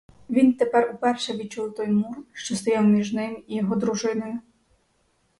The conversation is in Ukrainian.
Він тепер уперше відчув той мур, що стояв між ним і його дружиною.